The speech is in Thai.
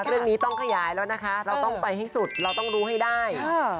เรื่องนี้ต้องขยายแล้วนะคะเราต้องไปให้สุดเราต้องรู้ให้ได้